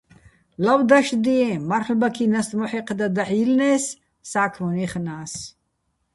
ლავ დაშდიეჼ, მარლ'ბაქი ნასტ მოჰ̦ეჴდა დაჰ̦ ჲი́ლნე́ს, სა́ქმონ ჲაჲხნა́ს.